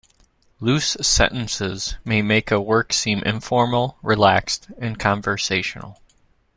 Loose sentences may make a work seem informal, relaxed, and conversational.